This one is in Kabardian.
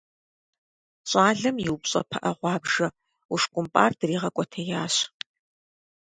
Щӏалэм и упщӀэ пыӀэ гъуабжэ ушкӀумпӀар дригъэкӀуэтеящ.